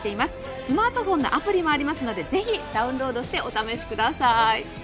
スマートフォンのアプリもありますのでぜひダウンロードしてお試しください。